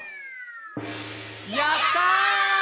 「やったー！！」